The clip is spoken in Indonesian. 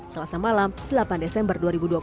selasa malam delapan desember dua ribu dua puluh